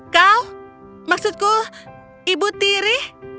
kau maksudku ibu tiri